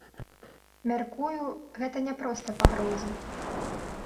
Мяркую, гэта не проста пагрозы.